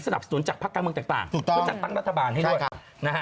สนับสนุนจากภาคกลางเมืองต่างต้องจัดตั้งรัฐบาลให้ด้วย